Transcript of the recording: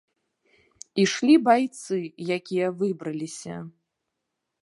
Ішлі байцы, якія выбраліся.